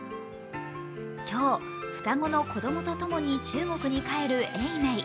今日、双子の子供とともに中国に帰る永明。